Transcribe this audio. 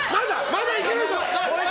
まだいけるぞ！